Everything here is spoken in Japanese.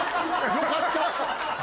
よかった！